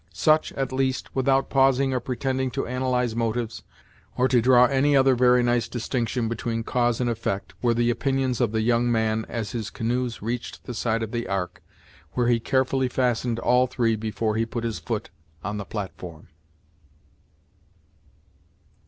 Such, at least, without pausing or pretending to analyze motives, or to draw any other very nice distinction between cause and effect, were the opinions of the young man as his canoes reached the side of the ark, where he carefully fastened all three before he put his foot on the platform.